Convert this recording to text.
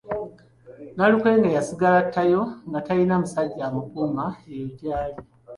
Nalukenge yasigala ttayo nga tayina musajja amukuuma eyo gyali.